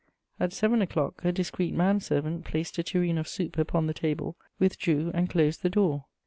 At seven o'clock, a discreet man servant placed a tureen of soup upon the table, withdrew, and closed the door.